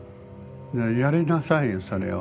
やりなさいよそれを。